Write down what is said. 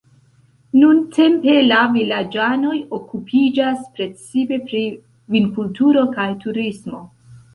Nuntempe la vilaĝanoj okupiĝas precipe pri vinkulturo kaj turismo.